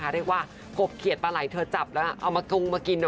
เรียกว่ากบเขียดปลาไหล่เธอจับแล้วเอามากรุงมากิน